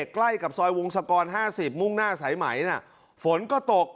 ใกล้กับซอยวงสกรห้าสิบมุ่งหน้าสายไหมน่ะฝนก็ตก